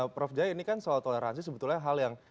prof jaya ini kan soal toleransi sebetulnya hal yang